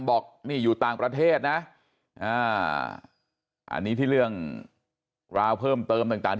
บอกนี่อยู่ต่างประเทศนะอันนี้ที่เรื่องราวเพิ่มเติมต่าง